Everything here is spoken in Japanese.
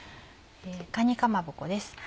かにかまぼこです。